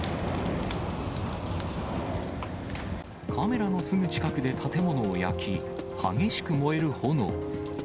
カメラのすぐ近くで建物を焼き、激しく燃える炎。